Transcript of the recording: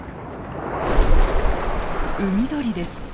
海鳥です。